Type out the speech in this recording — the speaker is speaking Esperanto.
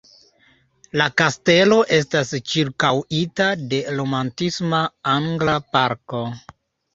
La kastelo estas ĉirkaŭita de romantisma angla parko.